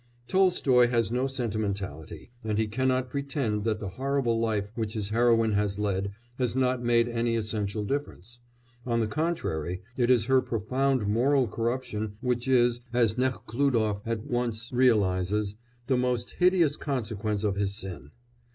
Tolstoy has no sentimentality, and he cannot pretend that the horrible life which his heroine has led has not made any essential difference; on the contrary, it is her profound moral corruption which is, as Nekhlúdof at once realises, the most hideous consequence of his sin.